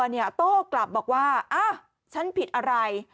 กินให้ดูเลยค่ะว่ามันปลอดภัย